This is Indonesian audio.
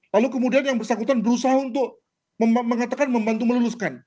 lalu kemudian yang bersangkutan berusaha untuk mengatakan membantu meluluskan